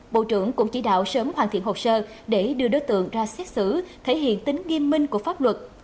bộ trưởng cũng chỉ đạo sớm hoàn thiện hồ sơ để đưa đối tượng ra xét xử thể hiện tính nghiêm minh của pháp luật